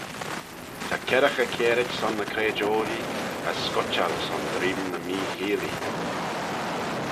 Ta kerraghey kiarit son ny craidoilee as scutchal son dreeym ny mee cheeayllee.